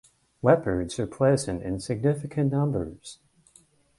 Leopards are present in significant numbers.